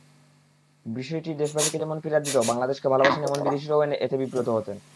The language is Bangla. বিষয়টি দেশবাসীকে যেমন পীড়া দিত, বাংলাদেশকে ভালোবাসেন এমন বিদেশিরাও এতে বিব্রত হতেন।